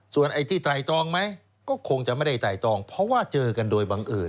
ส่วนไอ้ที่ไตรตองไหมก็คงจะไม่ได้ไตรตองเพราะว่าเจอกันโดยบังเอิญ